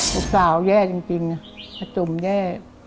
ปรึกษาวแย่จริงอะประจุมแย่